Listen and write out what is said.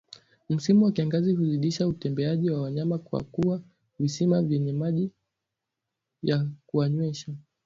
Msimu wa kiangazi huzidisha utembeaji wa wanyama kwa kuwa visima vyenye maji ya kuwanywesha